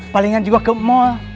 palingan juga ke mall